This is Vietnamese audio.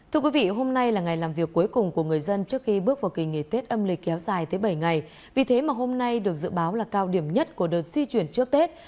thưa quý vị hôm nay là ngày làm việc cuối cùng của người dân trước khi bước vào kỳ nghề tết âm lịch kéo dài tới bảy ngày vì thế mà hôm nay được dự báo là cao điểm nhất của đợt di chuyển trước tết